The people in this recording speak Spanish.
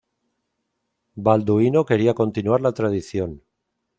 Balduino quería continuar la tradición.